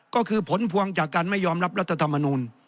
ก็คือผลพวงจากการไม่ยอมรับรัฐธรรมนูล